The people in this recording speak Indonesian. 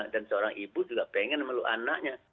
dan seorang ibu juga pengen memeluk anaknya